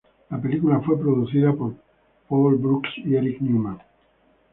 La película fue producida por Paul Brooks y Eric Newman.